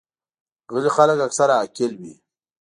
غلي خلک اکثره عاقل وي.